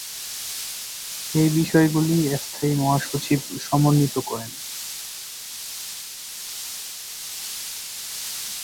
এর বিষয়গুলি স্থায়ী মহাসচিব সমন্বিত করেন।